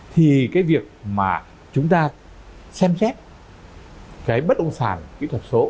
thì cái việc mà chúng ta xem xét cái bất động sản kỹ thuật số